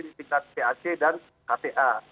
di tingkat cac dan kpa